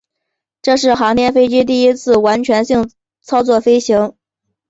这是航天飞机第一次完全操作飞行。